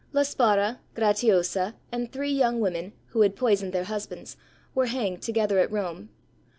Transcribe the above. La Spara, Gratiosa, and three young women, who had poisoned their husbands, were hanged together at Rome.